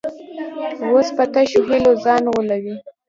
اوس په تشو هیلو ځان غولوي.